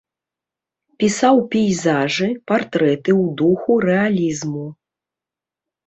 Пісаў пейзажы, партрэты ў духу рэалізму.